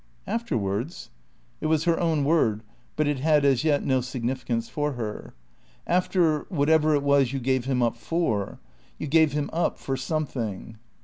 "Afterwards?" It was her own word, but it had as yet no significance for her. "After whatever it was you gave him up for. You gave him up for something."